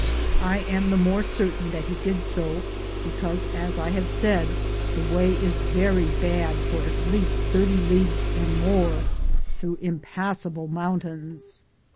I am the more certain that he did so, because, as X have said, the way is very bad for at least 30 leagues and more, through impassable mountains.